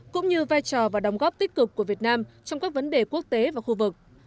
cũng như vai trò và đóng góp tích cực của việt nam trong các vấn đề quốc tế và khu vực